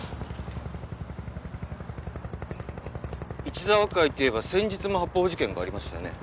一澤会っていえば先日も発砲事件がありましたよね。